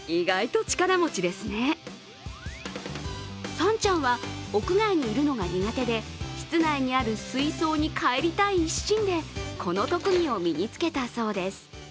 さんちゃんは、屋外にいるのが苦手で、室内にある水槽に帰りたい一心でこの特技を身につけたそうです。